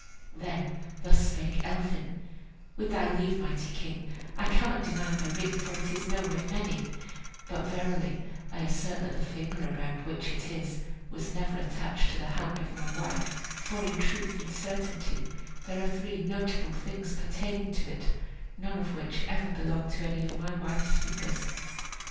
Then thus spake Elphin: "With thy leave, mighty king, I cannot deny my ring, for it is known of many; but verily I assert that the finger around which it is was never attached to the hand of my wife; for in truth and certainty there are three notable things pertaining to it, none of which ever belonged to any of my wife's fingers.